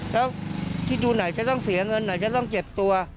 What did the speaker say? แล้วคิดดูไหนแกต้องเสียเงินไหนจะต้องเก็บตัว